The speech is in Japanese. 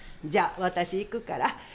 じゃあ、私、行くから。